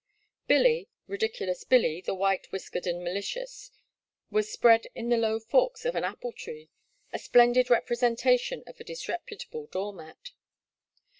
Billy — Ridiculous Billy, the white whiskered and malicious, was spread in the low forks of an apple tree, a splendid representation of a disrepu table door mat.